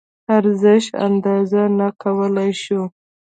ارزش اندازه نه کولی شو.